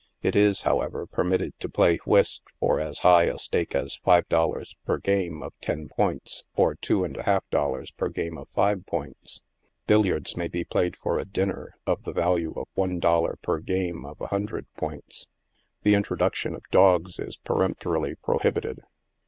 It is, however, permitted to play whist for as high a stake as five dollars per game of ten points, or two and a half dollars per game of five points. Billiards may be played for a dinner of the value of one dollar per game of a hundred points. The introduction of dogs is peremptorily prohibit ed.